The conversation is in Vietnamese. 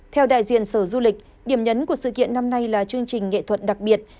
theo đại diện sở du lịch điểm nhấn của sự kiện năm nay là chương trình nghệ thuật đặc biệt